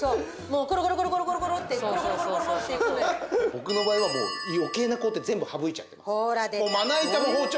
僕の場合はもう余計な工程全部省いちゃってます。